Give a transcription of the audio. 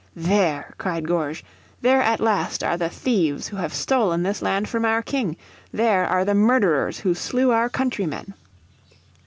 "There!" cried Gourges, "there at last are the thieves who have stolen this land from our King. There are the murderers who slew our countrymen."